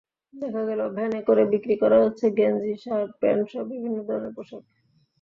দেখা গেল, ভ্যানে করে বিক্রি করা হচ্ছে গেঞ্জি, শার্ট, প্যান্টসহ বিভিন্ন ধরনের পোশাক।